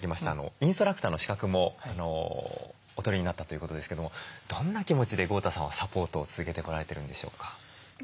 インストラクターの資格もお取りになったということですけどもどんな気持ちで豪太さんはサポートを続けてこられてるんでしょうか？